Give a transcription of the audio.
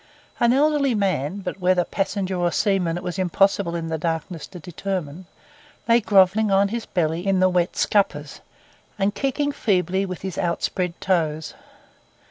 An elderly man, but whether passenger or seaman it was impossible in the darkness to determine, lay grovelling on his belly in the wet scuppers, and kicking feebly with his outspread toes.